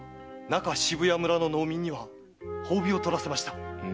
中渋谷村の農民には褒美を取らせました。